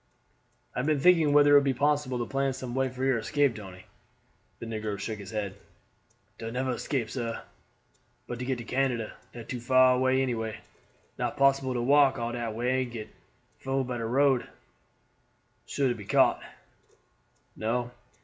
"I have been thinking whether it would be possible to plan some way for your escape, Tony." The negro shook his head. "Dar never escape, sah, but to get to Canada; dat too far any way. Not possible to walk all dat way and get food by de road. Suah to be caught."